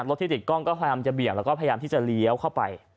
ที่ติดกล้องก็พยายามจะเบี่ยงแล้วก็พยายามที่จะเลี้ยวเข้าไป